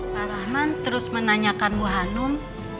parahman terus menanyakan bu hanum